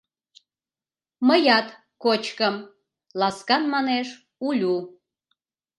— Мыят кочкым, — ласкан манеш Улю.